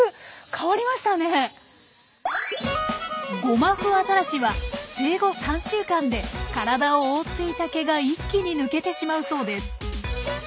ゴマフアザラシは生後３週間で体を覆っていた毛が一気に抜けてしまうそうです。